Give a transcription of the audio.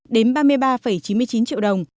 đến ba mươi ba chín mươi chín triệu đồng